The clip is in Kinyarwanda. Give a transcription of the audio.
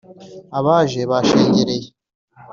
Abaje bashengereye